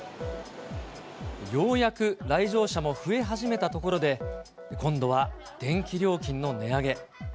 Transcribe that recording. ようやく来場者も増え始めたところで、今度は電気料金の値上げ。